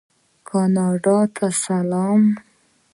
کاناډا ته سلام.